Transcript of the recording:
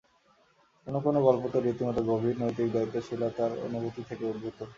কোনো কোনো গল্প তো রীতিমতো গভীর নৈতিক দায়িত্বশীলতার অনুভূতি থেকেই উদ্ভূত।